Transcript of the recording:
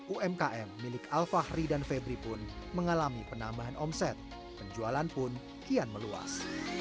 umkm milik alfahri dan febri pun mengalami penambahan omset penjualan pun kian meluas